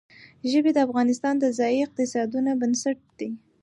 ژبې د افغانستان د ځایي اقتصادونو بنسټ دی.